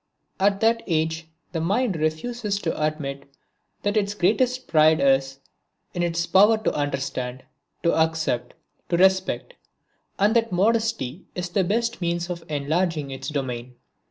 At that age the mind refuses to admit that its greatest pride is in its power to understand, to accept, to respect; and that modesty is the best means of enlarging its domain.